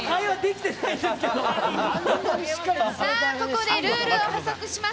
ここでルールを補足します。